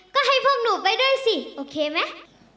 ก็ให้พวกหนูไปด้วยสิโอเคไหม